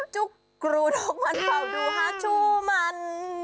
จุ๊กกรูดของมันเฝ้าดูฮาชูมัน